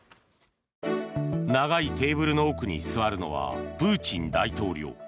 長いテーブルの奥に座るのはプーチン大統領。